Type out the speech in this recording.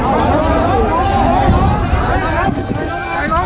สวัสดีครับทุกคน